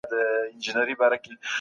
که کوښښ وکړي نو ښه پایله به ترلاسه کړي.